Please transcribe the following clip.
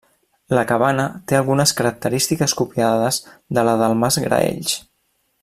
La cabana té algunes característiques copiades de la del mas Graells.